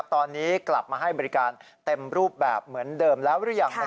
ตอนนี้กลับมาให้บริการเต็มรูปแบบเหมือนเดิมแล้วหรือยัง